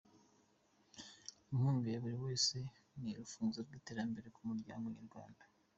Inkunga ya buri wese ni urufunguzo rw’iterambere ku muryango nyarwanda.